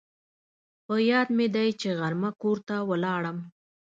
په یاد مې دي چې غرمه کور ته ولاړم